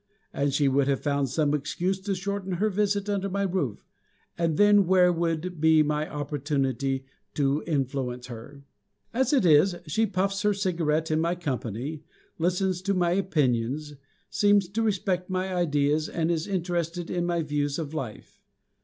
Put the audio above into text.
And she would have found some excuse to shorten her visit under my roof, and then where would be my opportunity to influence her? As it is, she puffs her cigarette in my company, listens to my opinions, seems to respect my ideas, and is interested in my views of life.